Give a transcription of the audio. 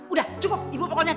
udah cukup ibu pokoknya